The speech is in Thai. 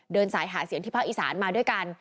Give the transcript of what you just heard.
เดินสายหาเสียงที่ภาคอีสานมาด้วยกัน